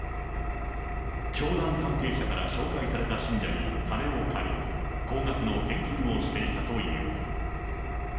教団関係者から紹介された信者に金を借り、高額の献金をしていたという。